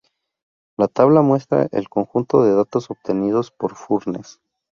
La tabla muestra el conjunto de datos obtenidos por Furness.